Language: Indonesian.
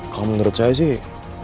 kamu menurut saya sih